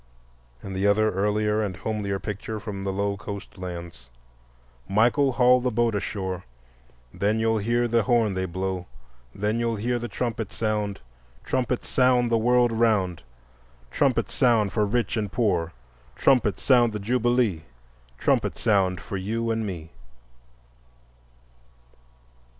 And the other earlier and homelier picture from the low coast lands: "Michael, haul the boat ashore, Then you'll hear the horn they blow, Then you'll hear the trumpet sound, Trumpet sound the world around, Trumpet sound for rich and poor, Trumpet sound the Jubilee, Trumpet sound for you and me."